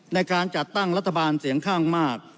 ในการจัดตั้งรัฐบาลเสียงข้างมาก